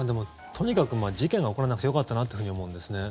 とにかく事件が起こらなくてよかったなってふうに思うんですね。